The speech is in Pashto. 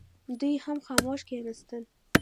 دوی هم خاموش کښېنستل.